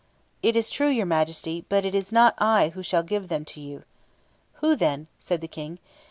"It is true, your Majesty; but it is not I who shall give them to you." "Who, then?" said the King.